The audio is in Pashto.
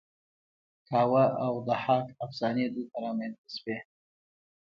کاوه او ضحاک افسانې دلته رامینځته شوې